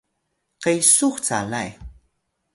qesux calay